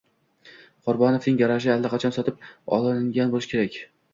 Qurbonovning garaji allaqachon sotib olingan bo'lishi kerak